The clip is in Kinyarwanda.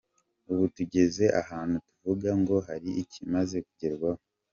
Ubu tugeze ahantu tuvuga ngo hari ikimaze kugerwaho.